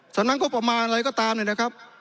สำนักงบประมาณอะไรก็ตามเนี่ยนะครับ